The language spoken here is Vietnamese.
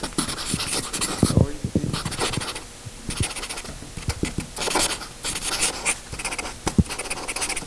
tôi tin